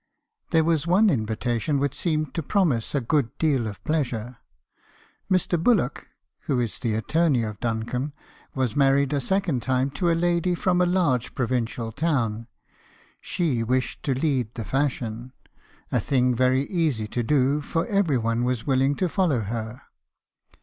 "There was one invitation which seemed to promise a good deal of pleasure. Mr. Bullock (who is the attorney of Dun combe) was married a second time to a lady from a large pro vincial town; she wished to lead the fashion, — a thing very easy to do , for every one was willing to follow her.